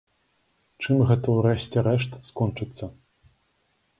Чым гэта, у рэшце рэшт, скончыцца?